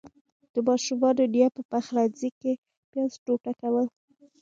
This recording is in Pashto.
د ماشومانو نيا په پخلنځي کې پياز ټوټه کول.